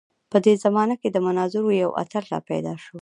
په دې زمانه کې د مناظرو یو اتل راپیدا شو.